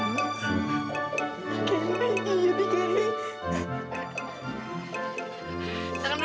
ken iya deh ken